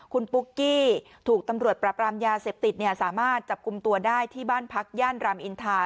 คุณปุ๊กกี้ถูกตำรวจปรับรามยาเสพติดสามารถจับกลุ่มตัวได้ที่บ้านพักย่านรามอินทา